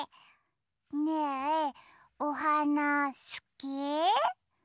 ねえおはなすき？